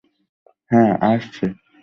হ্যাঁ, আসছি!